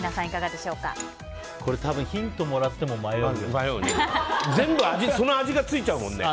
これ、ヒントをもらっても全部その味がついちゃうもんね。